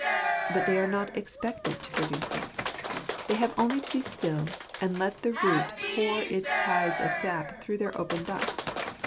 But they are not expected to produce it ; they have only to be still, and let the root pour its tides of sap through their open ducts.